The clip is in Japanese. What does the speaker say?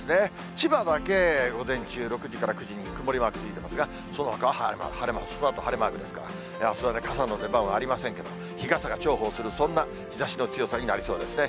千葉だけ午前中、６時から９時に曇りマークついてますがそのほかは晴れマークですから、あすは傘の出番はありませんけど、日傘が重宝する、そんな日ざしの強さになりそうですね。